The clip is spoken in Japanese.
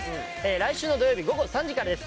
来週の土曜日午後３時からです。